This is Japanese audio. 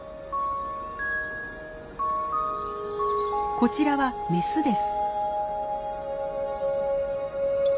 こちらはメスです。